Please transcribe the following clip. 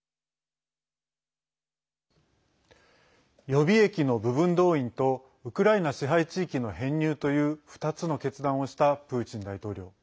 予備役の部分動員とウクライナ支配地域の編入という２つの決断をしたプーチン大統領。